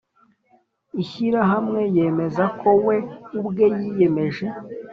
Ishyirahamwe yemeza ko we ubwe yiyemeje